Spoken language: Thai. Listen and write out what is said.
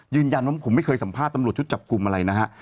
ยืนยันว่าผมไม่เคยสัมภาษณ์ตำรวจชุดจับกลุ่มอะไรนะฮะ